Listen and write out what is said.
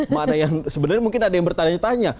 mana yang sebenarnya mungkin ada yang bertanya tanya